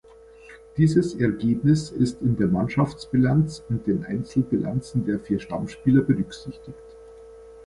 Dieses Ergebnis ist in der Mannschaftsbilanz und den Einzelbilanzen der vier Stammspieler berücksichtigt.